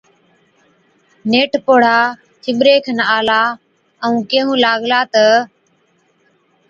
نيٺ پوڙها چِٻري کن آلا ائُون ڪيهُون لاگلا تہ،